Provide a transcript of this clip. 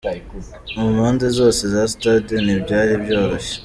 Mu mpande zose za Stade ntibyari byoroshye.